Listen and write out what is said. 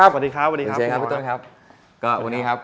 สวัสดีค่ะสวัสดีค่ะพี่พันธ์ครับ